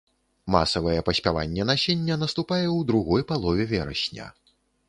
Масавае паспяванне насення наступае ў другой палове верасня.